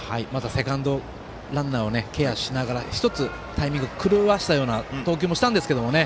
セカンドランナーをケアしながら１つタイミングを狂わせたような投球もしたんですけどね